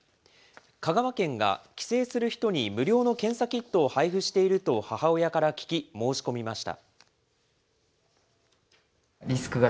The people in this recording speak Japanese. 香川県が帰省する人に無料の検査キットを配付していると母親から聞き、申し込みました。